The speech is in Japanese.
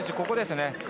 ここです